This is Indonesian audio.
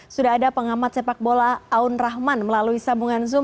sudah ada pengamat sepak bola aun rahman melalui sambungan zoom